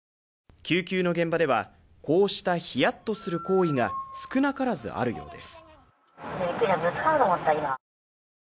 救急の現場ではこうしたひやっとする行為が少なからずあるようです